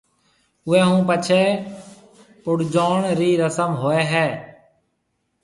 اوئيَ ھون پڇيَ پڙجوڻ رِي رسم ھوئيَ ھيََََ